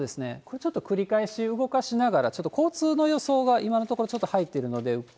ちょっと繰り返し動かしながら、ちょっと交通の予想が今のところ、ちょっと入ってるので。